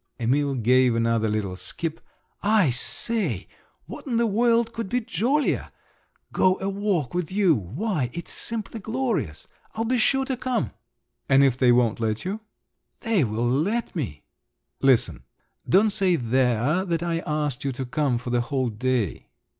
Emil gave another little skip. "I say, what in the world could be jollier? Go a walk with you—why, it's simply glorious! I'll be sure to come!" "And if they won't let you?" "They will let me!" "Listen … Don't say there that I asked you to come for the whole day."